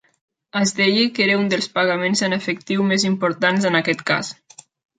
Es deia que era un dels pagaments en efectiu més importants en aquest cas.